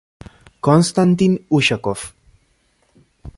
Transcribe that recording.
Konstantin Ušakov